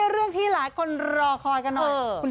เรื่องที่หลายคนรอคอยกันหน่อย